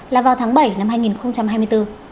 là vào tháng bảy năm hai nghìn hai mươi bốn